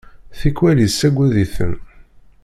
Tikwal yessagad-iten.